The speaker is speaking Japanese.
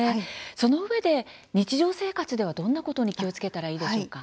そのうえで、日常生活ではどんなことに気をつけたらいいでしょうか。